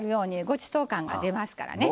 ごちそう感が出ますからね。